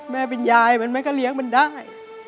แม่เป็นยายมันแม่ก็เลี้ยงมันได้